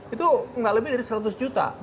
itu nggak lebih dari seratus juta